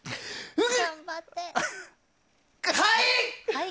はい！